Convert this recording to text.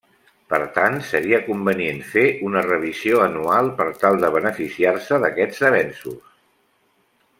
Per tant, seria convenient fer una revisió anual per tal de beneficiar-se d'aquests avenços.